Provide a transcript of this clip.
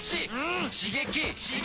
刺激！